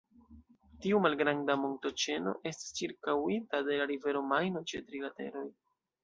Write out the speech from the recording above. Tiu malgranda montoĉeno estas ĉirkaŭita de la rivero Majno ĉe tri lateroj.